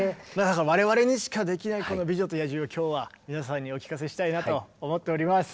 我々にしかできないこの「美女と野獣」を今日は皆さんにお聴かせしたいなと思っております。